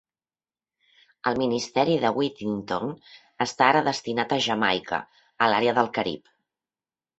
El ministeri de Whittington està ara destinat a Jamaica i l'àrea del Carib.